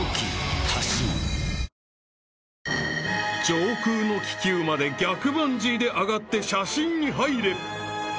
［上空の気球まで逆バンジーで上がって写真に入れ］